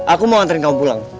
aku mau nganterin kamu pulang